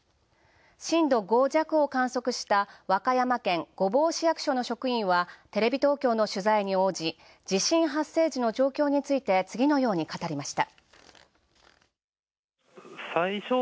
震度５弱を観測した和歌山県御坊市役所の職員はテレビ東京の取材に応じ、地震発生時の状況について次のように語りました。